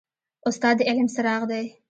استاد د علم څراغ دی.